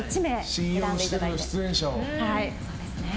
信用している出演者を。